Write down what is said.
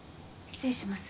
失礼します。